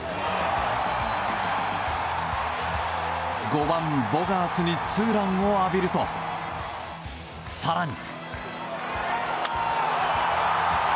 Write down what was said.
５番、ボガーツにツーランを浴びると、更に。